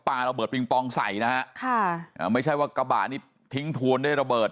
ปลาระเบิร์ตปริงปองใส่นะฮะไม่ใช่ว่ากระบะนี้ทิ้งทวนได้ระเบิด